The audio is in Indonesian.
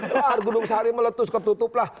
berubah kelar gunung sehari meletus ketutuplah